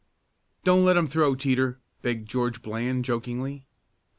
"Don't let him throw, Teeter," begged George Bland, jokingly.